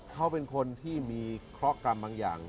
เขาเป็นคนที่มีข้อกรรมบางอย่าง